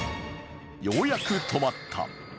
ようやく止まった。